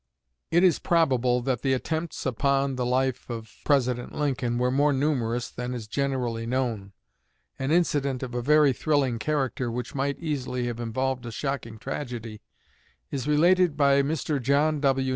It is probable that the attempts upon the life of President Lincoln were more numerous than is generally known. An incident of a very thrilling character, which might easily have involved a shocking tragedy, is related by Mr. John W.